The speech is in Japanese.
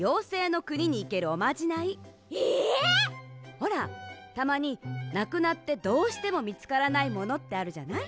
ほらたまになくなってどうしてもみつからないものってあるじゃない？